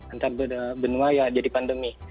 antar benua ya jadi pandemi